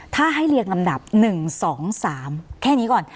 ถ้าให้เรียงลำดับ๑๒๓แค่นี้ก่อน